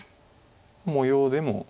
模様でも。